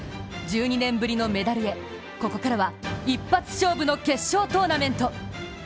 １２年ぶりのメダルへ、ここからは一発勝負の決勝トーナメント。